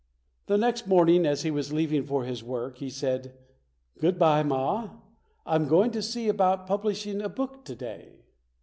The next morning as he was leaving for his work he said, "Goodbye, Ma, I'm going to see about publishing a book today".